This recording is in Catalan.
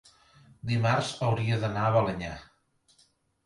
dimarts hauria d'anar a Balenyà.